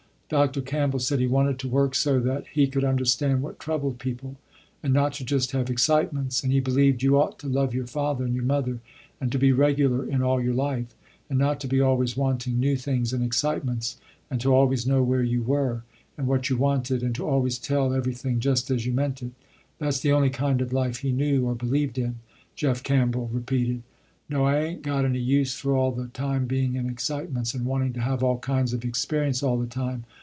Dr. Campbell said he wanted to work so that he could understand what troubled people, and not to just have excitements, and he believed you ought to love your father and your mother and to be regular in all your life, and not to be always wanting new things and excitements, and to always know where you were, and what you wanted, and to always tell everything just as you meant it. That's the only kind of life he knew or believed in, Jeff Campbell repeated. "No I ain't got any use for all the time being in excitements and wanting to have all kinds of experience all the time.